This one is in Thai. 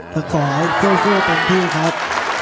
ถ้าขอให้เครื่องเครื่องตรงพี่ครับ